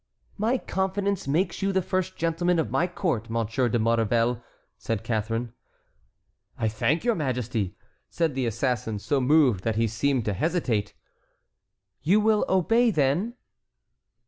"My confidence makes you the first gentleman of my court, Monsieur de Maurevel," said Catharine. "I thank your majesty," said the assassin so moved that he seemed to hesitate. "You will obey, then?"